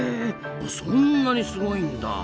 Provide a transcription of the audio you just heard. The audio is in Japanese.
そんなにすごいんだ！